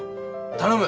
頼む！